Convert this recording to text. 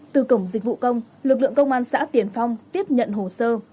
từ cổng dịch vụ công lực lượng công an xã tiền phong tiếp nhận hồ sơ